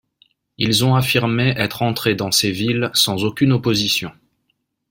Ils ont affirmé être entrés dans ces villes sans aucune opposition.